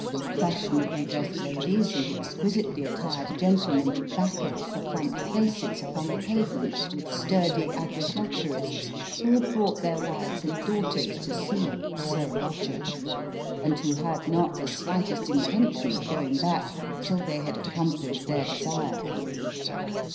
Fashionably dressed ladies and exquisitely attired gentlemen battled for front places upon the pavement with sturdy agriculturists who had brought their wives and daughters to see "Sir Roger," and who had not the slightest intention of going back till they had accomplished their desire.